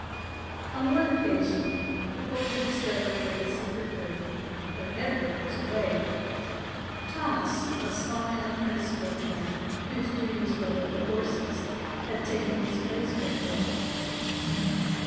On one occasion, before the discovery of the secret room, when Edward was away, Thomas, a sly unprincipled man, whose duties were with the horses, had taken his place for the day.